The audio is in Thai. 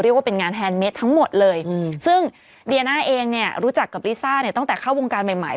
เรียกว่าเป็นงานแฮนเมตทั้งหมดเลยอืมซึ่งดิยาน่าเองเนี้ยรู้จักกับลิซ่าเนี้ยตั้งแต่เข้าวงการใหม่ใหม่